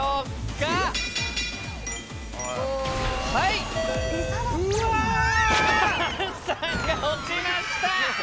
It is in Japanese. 菅さんが落ちました。